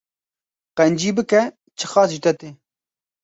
Qencî bike çi qas ji te tê